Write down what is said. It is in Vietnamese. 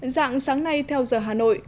giảng sáng nay theo giờ hà nội